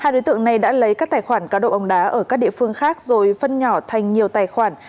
hai đối tượng này đã lấy các tài khoản cá độ bóng đá ở các địa phương khác rồi phân nhỏ thành nhiều tài khoản